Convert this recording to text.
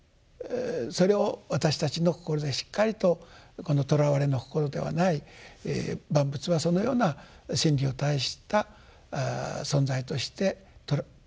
それを私たちの心でしっかりとこのとらわれの心ではない万物はそのような真理を帯した存在として認識していきましょうと。